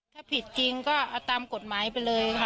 ถ้าผิดจริงก็เอาตามกฎหมายไปเลยค่ะ